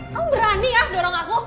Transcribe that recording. kamu berani ya dorong aku